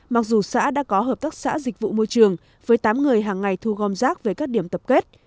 mặc dù xã đã có hợp tác xã dịch vụ môi trường với tám người hàng ngày thu gom rác về các điểm tập kết